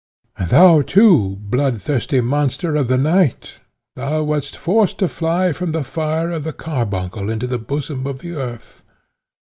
"And thou too, blood thirsty monster of the night, thou wast forced to fly from the fire of the carbuncle into the bosom of the earth.